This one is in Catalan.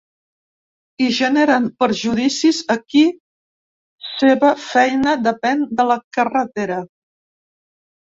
I generen perjudicis a qui seva feina depèn de la carretera.